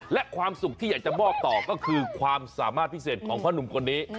และความสุขที่อยากจะมอบต่อก็คือความสามารถพิเศษของพ่อหนุ่มคนนี้